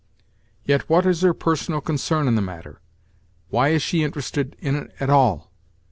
Yet what is her personal concern in the matter? Why is she interested in it at all?